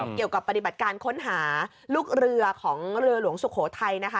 เกี่ยวกับปฏิบัติการค้นหาลูกเรือของเรือหลวงสุโขทัยนะคะ